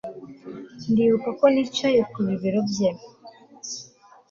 ndibuka ko nicaye ku bibero bye